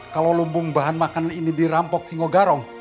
kalau lumbung bahan makanan ini dirampok singogarong